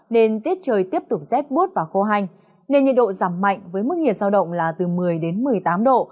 nên tiết trời tiếp tục dép bút vào khô hành nên nhiệt độ giảm mạnh với mức nhiệt sao động là từ một mươi một mươi tám độ